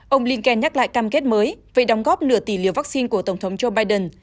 ông linken nhắc lại cam kết mới về đóng góp nửa tỷ liều vaccine của tổng thống joe biden